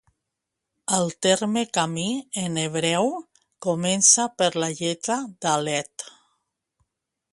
El terme camí, en hebreu, comença per la lletra dàlet.